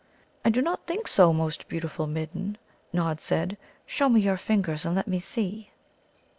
"I do not think so, most beautiful Midden," Nod said. "Show me your fingers, and let me see."